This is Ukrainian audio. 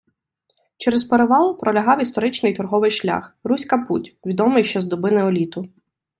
Через перевал пролягав історичний торговий шлях — Руська Путь, відомий ще з доби неоліту.